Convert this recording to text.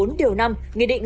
mẹ bảo là lê hàn